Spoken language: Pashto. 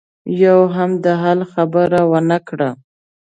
يوه هم د حل خبره ونه کړه.